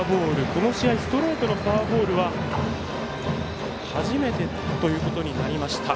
この試合、ストレートのフォアボールは初めてということになりました。